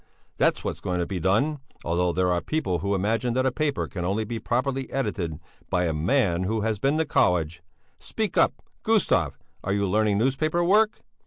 That's what's going to be done, although there are people who imagine that a paper can only be properly edited by a man who has been to college. Speak up, Gustav, are you learning newspaper work?